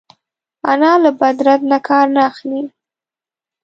انا له بد رد نه کار نه اخلي